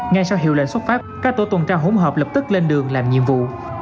ngay sau hiệu lệnh xuất phát các tổ tuần tra hỗn hợp lập tức lên đường làm nhiệm vụ